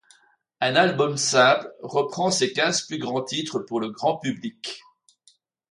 Un album simple, ' reprend ses quinze plus grands titres, pour le grand public.